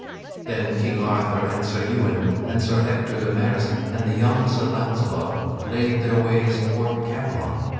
Then King Arthur and Sir Ewain and Sir Ector de Maris and the young Sir Launcelot laid their ways toward Camelot.